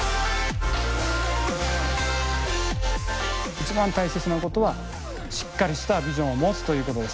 一番大切なことはしっかりしたビジョンを持つということです。